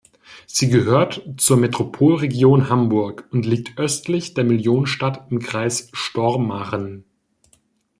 Sie gehört zur Metropolregion Hamburg und liegt östlich der Millionenstadt im Kreis Stormarn.